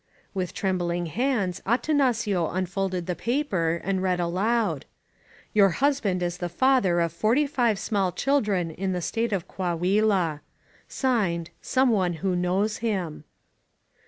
With trembling hands Atanacio unfolded the paper and read aloud: Your husband is the father of forty five small children in the State of Coahuila. (Signed) Some One Who Knows Him.